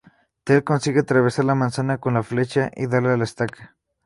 Tell consigue atravesar la manzana con la flecha y darle a la estaca.